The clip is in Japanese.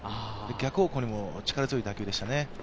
逆方向にも力強い打球でしたね。